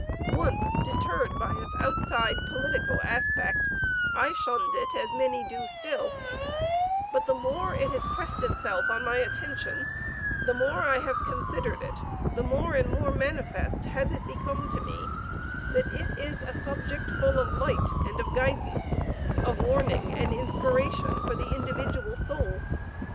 Once, deterred by its outside, political aspect, I shunned it as many do still, but the more it has pressed itself on my attention, the more I have considered it the more and more manifest has it become to me, that it is a subject full of light and of guidance, of warning and inspiration for the individual soul.